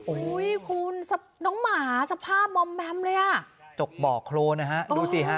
อุ้ยคุณน้องหมาสภาพมอมแมมเลยอ่ะจกบ่อโครนนะฮะดูสิฮะ